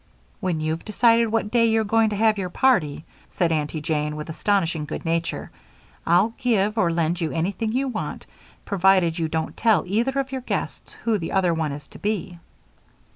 "When you've decided what day you're going to have your party," said Aunty Jane, with astonishing good nature, "I'll give or lend you anything you want, provided you don't tell either of your guests who the other one is to be."